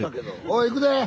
おい行くで！